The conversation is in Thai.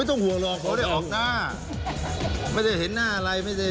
อุ๊ยต้องหัวหลอกพอได้ออกหน้าไม่ได้เห็นหน้าอะไร